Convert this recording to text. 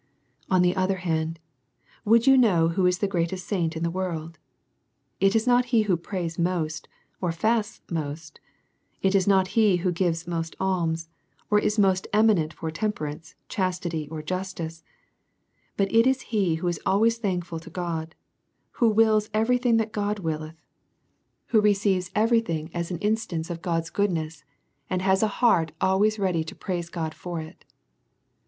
On the other hand, would you know who is the greatest saint in the world ? It is not he who prays most, or fasts most ; it is not he who gives most alms, or is most eminent for temperance, chastity, or justice ; but it is he who is always thankful to God, who wills every thing that God willeth, who receives every thing as an instance of God's goodness, and has a heart al ways ready to praise God for it.